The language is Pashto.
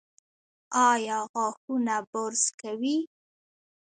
ایا غاښونه برس کوي؟